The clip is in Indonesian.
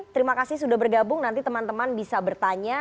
terima kasih sudah bergabung nanti teman teman bisa bertanya